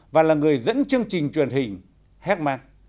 và là người dẫn chương trình truyền hình hermann